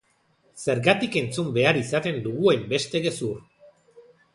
Zergatik entzun behar izaten dugu hainbeste gezur?